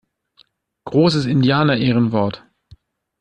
Großes Indianerehrenwort!